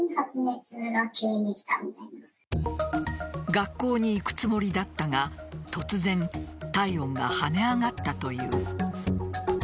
学校に行くつもりだったが突然体温が跳ね上がったという。